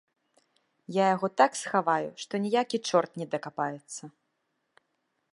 Я яго так схаваю, што ніякі чорт не дакапаецца.